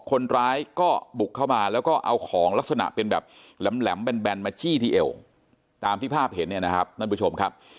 คนร้ายก็บุกเข้ามาแล้วก็เอาของลักษณะเป็นแบบแหลมแหลมแบนมาจี้ที่เอวตามที่ภาพเห็นนะครับ